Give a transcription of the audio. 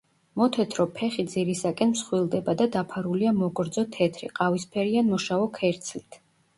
მოთეთრო ფეხი ძირისაკენ მსხვილდება და დაფარულია მოგრძო თეთრი, ყავისფერი ან მოშავო ქერცლით.